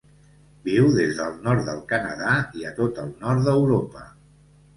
Viu des del nord del Canadà i a tot el nord d'Europa.